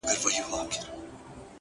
هندي لبانو دې سور اور د دوزخ ماته راوړ;